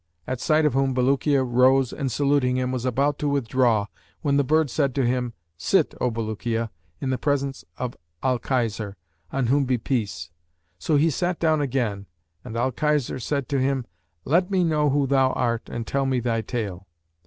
at sight of whom Bulukiya rose and saluting him, was about to withdraw, when the bird said to him, 'Sit, O Bulukiya, in the presence of Al Khizr, on whom be peace!' So he sat down again, and Al Khizr said to him, 'Let me know who thou art and tell me thy tale.'